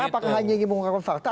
apakah hanya ingin mengungkapkan fakta